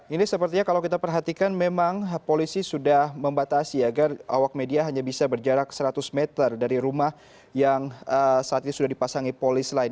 ini sepertinya kalau kita perhatikan memang polisi sudah membatasi agar awak media hanya bisa berjarak seratus meter dari rumah yang saat ini sudah dipasangi polis lain